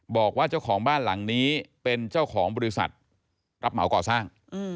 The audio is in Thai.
บอกว่าเจ้าของบ้านหลังนี้เป็นเจ้าของบริษัทรับเหมาก่อสร้าง